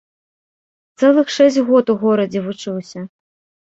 Цэлых шэсць год у горадзе вучыўся.